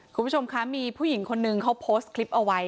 คุณผู้ชมคะมีผู้หญิงคนนึงเขาโพสต์คลิปเอาไว้